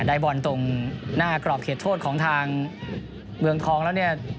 ได้บอลตรงหน้ากรอบเขตโทษของทางเมืองทองแล้วเนี่ย